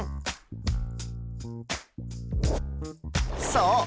そう！